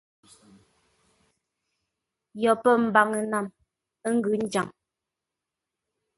Yo pə̂ mbaŋə-nam, ə́ ngʉ̌ njaŋ.